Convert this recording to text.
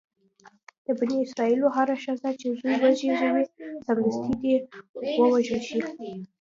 د بني اسرایلو هره ښځه چې زوی وزېږوي سمدستي دې ووژل شي.